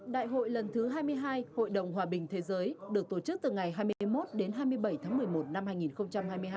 đại hội lần thứ hai mươi hai hội đồng hòa bình thế giới được tổ chức từ ngày hai mươi một đến hai mươi bảy tháng một mươi một năm hai nghìn hai mươi hai